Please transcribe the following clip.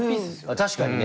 確かにね。